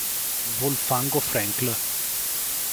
Volfango Frankl